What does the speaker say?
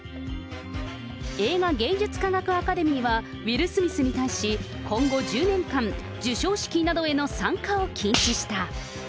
映画芸術科学アカデミーはウィル・スミスに対し、今後１０年間、授賞式などへの参加を禁止した。